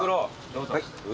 どうぞ。